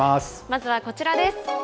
まずはこちらです。